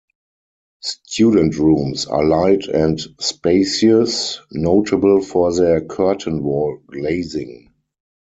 Student rooms are light and spacious, notable for their 'curtain wall' glazing.